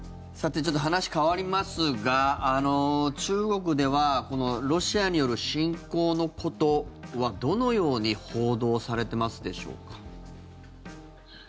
ちょっと話変わりますが中国ではこのロシアによる侵攻のことはどのように報道されてますでしょうか。